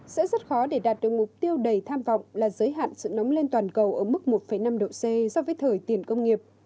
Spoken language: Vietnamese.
sẽ rất khó để đạt được mục tiêu đầy tham vọng là giới hạn sự nóng lên toàn cầu ở mức một năm độ c so với thời tiền công nghiệp